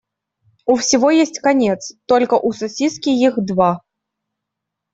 У всего есть конец, только у сосиски их два.